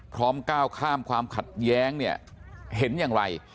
ก้าวข้ามความขัดแย้งเนี่ยเห็นอย่างไร